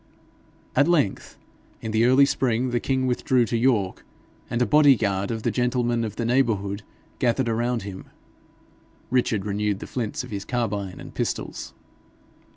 At length, in the early spring, the king withdrew to York, and a body guard of the gentlemen of the neighbourhood gathered around him. Richard renewed the flints of his carbine and pistols.